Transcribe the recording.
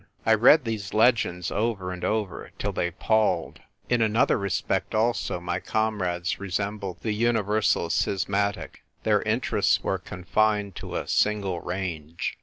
I read these legends over and over till they palled. In another respect also my comrades resembled the universal schismatic — their interests were confined to a single range.